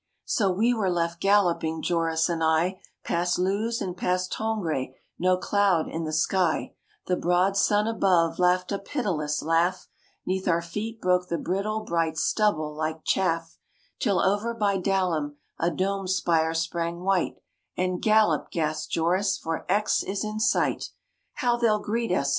So we were left galloping, Joris and I, Past Looz and past Tongres, no cloud in the sky; The broad sun above laughed a pitiless laugh, 'Neath our feet broke the brittle bright stubble like chaff; Till over by Dalhem a dome spire sprang white, And "Gallop," gasped Joris, "for Aix is in sight!" "How they'll greet us!"